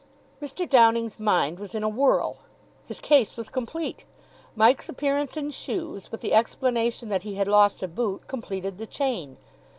Mr. Downing's mind was in a whirl. His case was complete. Mike's appearance in shoes, with the explanation that he had lost a boot, completed the chain.